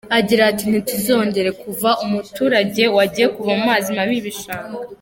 Agira ati “Ntituzongere kuva umuturage wagiye kuvoma amazi mabi y’ibishanga.